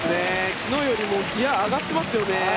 昨日よりもギア上がってますよね。